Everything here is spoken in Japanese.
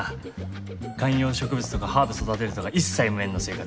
観葉植物とかハーブ育てるとか一切無縁の生活。